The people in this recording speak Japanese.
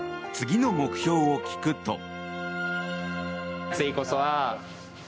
次の目標を聞くと。